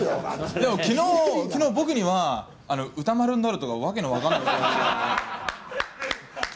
でも、きのう、僕には、歌丸になるとか、訳の分からないことを。